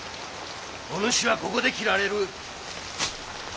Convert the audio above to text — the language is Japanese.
お主はここで斬られる。